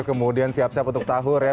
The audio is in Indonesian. kemudian siap siap untuk sahur ya